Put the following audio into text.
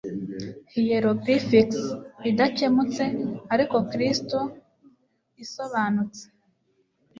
hieroglyphics, idakemutse, ariko kristu-isobanutse